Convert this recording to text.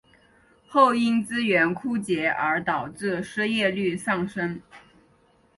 后因资源枯竭而导致失业率上升。